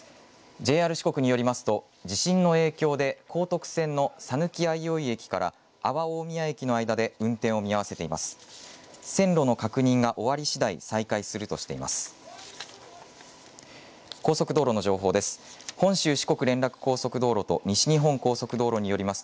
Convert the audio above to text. ＪＲ四国によりますと地震の影響で高徳線の讃岐相生駅から阿波大宮駅の間で運転を見合わせています。